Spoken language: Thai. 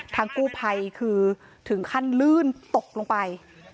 ทางกู้ไภคือถึงขั้นลื่นตกลงไป